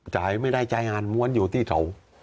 จ่ายไม่ได้จ่ายงานม้วนอยู่ที่โถ่